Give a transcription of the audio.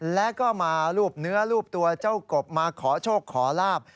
แล้วก็มารูปเนื้อรูปตัวเจ้ากบมาขอโชคขอลาบ